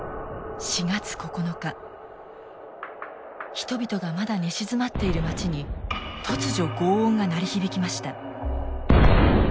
人々がまだ寝静まっている町に突如ごう音が鳴り響きました。